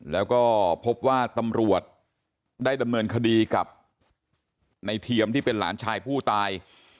แล้วก็พบว่าตำรวจได้ดำเนินคดีกับในเทียมที่เป็นหลานชายผู้ตาย